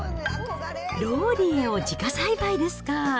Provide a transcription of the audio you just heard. ローリエを自家栽培ですか。